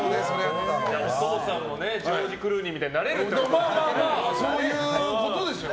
お父さんもジョージ・クルーニーみたいにそういうことでしょう。